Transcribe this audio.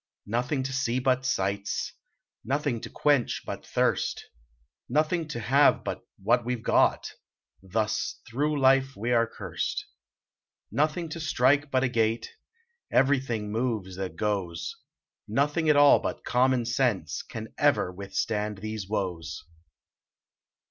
Nothing to see but sights, Nothing to quench but thirst, Nothing to have but what we ve got Thus thro life we are cursed. Nothing to strike but a gait ; Everything moves that goes. Nothing at all but common sense Can ever withstand these woes.